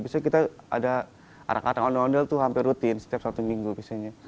biasanya kita ada orang orang ondel ondel itu hampir rutin setiap satu minggu biasanya